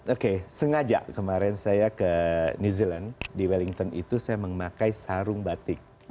oke sengaja kemarin saya ke new zealand di wellington itu saya memakai sarung batik